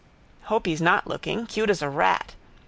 Hope he's not looking, cute as a rat.